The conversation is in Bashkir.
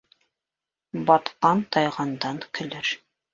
Батҡан тайғандан көлөр.